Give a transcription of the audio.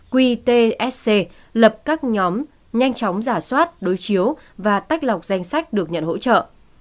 qtsc lập các nhóm nhanh chóng giả soát đối chiếu và tách lọc danh sách được nhận hỗ trợ